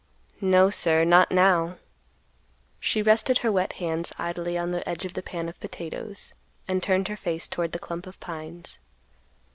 "No, sir, not now;" she rested her wet hands idly on the edge of the pan of potatoes, and turned her face toward the clump of pines.